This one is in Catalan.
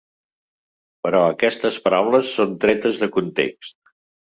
Però aquestes paraules són tretes de context.